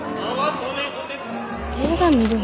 映画見るん？